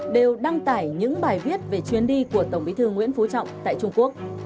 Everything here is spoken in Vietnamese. đều đăng tải những bài viết về chuyến đi của tổng bí thư nguyễn phú trọng tại trung quốc